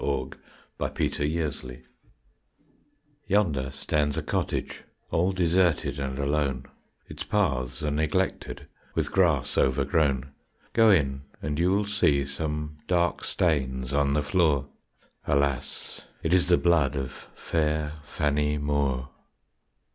THE FAIR FANNIE MOORE Yonder stands a cottage, All deserted and alone, Its paths are neglected, With grass overgrown; Go in and you will see Some dark stains on the floor, Alas! it is the blood Of fair Fannie Moore.